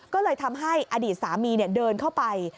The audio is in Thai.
ก็เลยทำให้อดีตสามีเดินเข้าไป